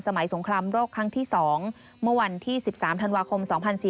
สงครามโรคครั้งที่๒เมื่อวันที่๑๓ธันวาคม๒๔๔